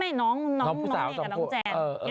ไม่น้องเนี่ยกับน้องแจน